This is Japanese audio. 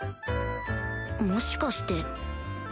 もしかして